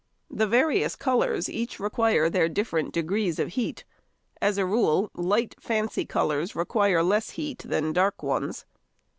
The various colours each require their different degrees of heat; as a rule, light fancy colours require less heat than dark ones.